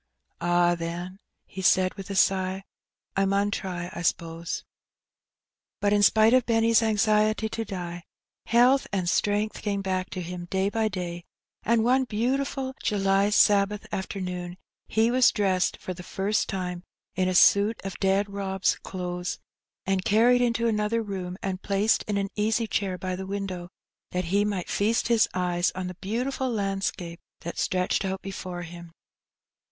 " Ah, then," he said, with a sigh, " I mun try, I s'pose." But in spite of Benny's anxiety to die, health and strength came back to him day by day, and one beautiful July Sabbath afternoon he was dressed, for the first time, in a suit of dead Rob's clothes, and carried into another room, and placed in an easy chair by the window, that he might feast his eyes on the beautiful landscape that stretched out before him.